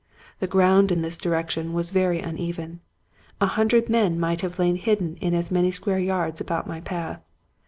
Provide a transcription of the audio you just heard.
The ground in this direction was very uneven ; a hundred men might have lain hidden in as many square yards about my path.